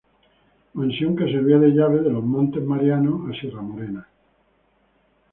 Mansión que servía de llave de los Montes Marianos a Sierra Morena.